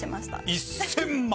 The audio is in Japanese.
１０００万？